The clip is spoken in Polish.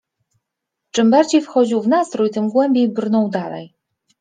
Czym bardziej wchodził w nastrój, tym głębiej brnął dalej.